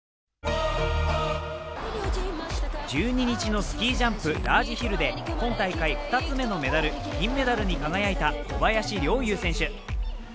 １２日のスキージャンプ・ラージヒルで今大会２つ目のメダル金メダルに輝いた小林陵侑選手。